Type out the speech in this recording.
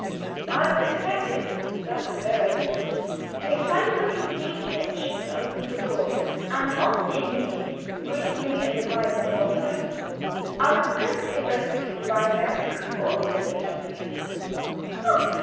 I was expected. That was very evident. An excited looking Dienstmädchen opened the door, and on seeing me, greeted me as if I had been an old friend. I was presently rescued by Merrick, also looking agitated.